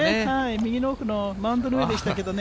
右の奥のマウンドの上でしたけどね。